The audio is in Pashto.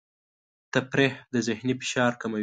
تفریح د ذهني فشار کموي.